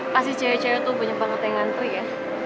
pasti cewek cewek tuh banyak banget yang ngantri ya